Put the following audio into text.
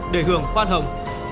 để hưởng khoan hồng